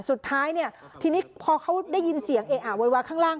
สุดท้ายเนี่ยทีนี้พอเขาได้ยินเสียงเออะโวยวายข้างล่าง